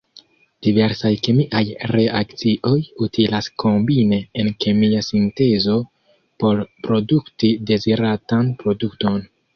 Diversaj kemiaj reakcioj utilas kombine en kemia sintezo por produkti deziratan produkton.